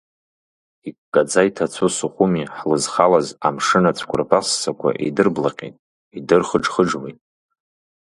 Иккаӡа иҭацәу Сухуми ҳлызхылаз амшын ацәқәырԥа ссақәа идырблаҟьеит, идырхыџхыџуеит.